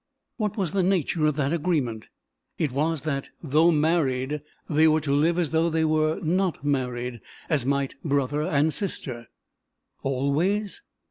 "What was the nature of that agreement?" "It was that, though married, they were to live as though they were not married as might brother and sister." "Always?"